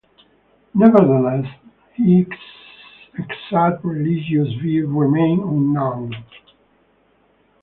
Nevertheless, his exact religious views remain unknown.